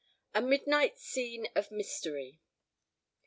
A MIDNIGHT SCENE OF MYSTERY.